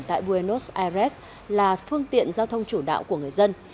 tại buenos aires là phương tiện giao thông chủ đạo của người dân